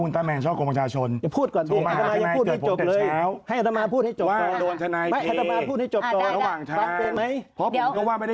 ยังไงคะตกลงว่า